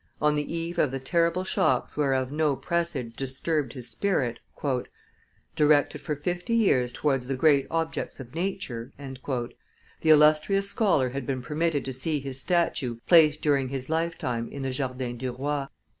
On the eve of the terrible shocks whereof no presage disturbed his spirit, "directed for fifty years towards the great objects of nature," the illustrious scholar had been permitted to see his statue placed during his lifetime in the Jardin du Roi.